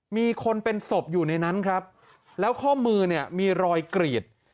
มีคนเป็นศพอยู่ในนั้นครับแล้วข้อมือเนี่ยมีรอยกรีด